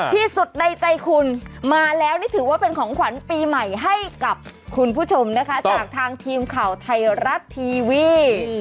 ที่สุดในใจคุณมาแล้วนี่ถือว่าเป็นของขวัญปีใหม่ให้กับคุณผู้ชมนะคะจากทางทีมข่าวไทยรัฐทีวี